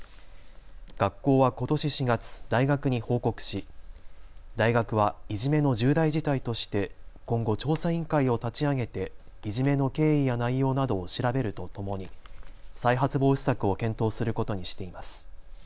学校はことし４月、大学に報告し大学はいじめの重大事態として今後、調査委員会を立ち上げていじめの経緯や内容などを調べるとともに再発防止策を検討することにしています。